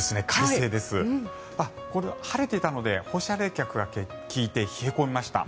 晴れていたので放射冷却が利いて冷え込みました。